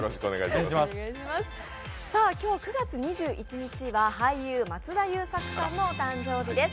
今日９月２１日は俳優・松田優作さんのお誕生日です。